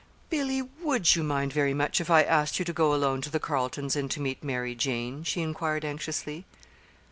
"Billy, would you mind very much if I asked you to go alone to the Carletons' and to meet Mary Jane?" she inquired anxiously.